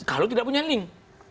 kalau tidak punya link